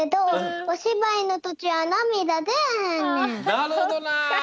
なるほどな。